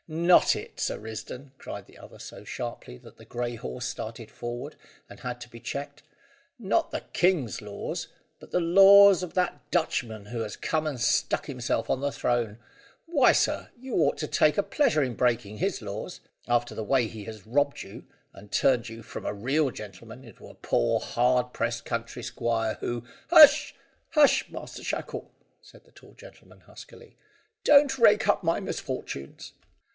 Not it, Sir Risdon," cried the other so sharply, that the grey horse started forward, and had to be checked. "Not the king's laws, but the laws of that Dutchman who has come and stuck himself on the throne. Why, sir, you ought to take a pleasure in breaking his laws, after the way he has robbed you, and turned you from a real gentleman, into a poor, hard pressed country squire, who " "Hush! Hush, Master Shackle!" said the tall gentleman huskily. "Don't rake up my misfortunes."